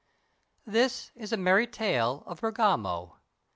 This is a Merry Tale of Bergamo.